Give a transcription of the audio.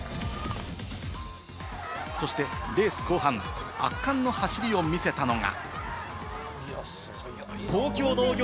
そしてレース後半、圧巻の走りを見せたのが。